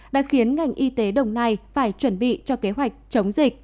đã khiến ngành y tế đồng nai phải chuẩn bị cho kế hoạch chống dịch